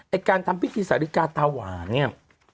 ไอ้การทำวิชีศาลิกาตาหวานนี้